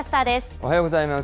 おはようございます。